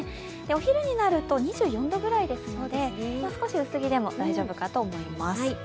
お昼になると２４度ぐらいですので、少し薄着でも大丈夫かと思います。